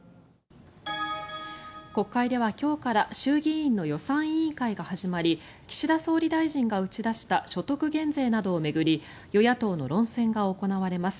国会では今日から衆議院の予算委員会が始まり岸田総理大臣が打ち出した所得減税などを巡り与野党の論戦が行われます。